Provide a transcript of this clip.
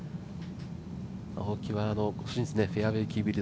青木はフェアウエーキープ率